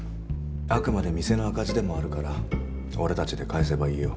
あくまで店の赤字でもあるから俺たちで返せばいいよ。